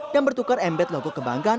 dan bertukar embed logo kebanggaan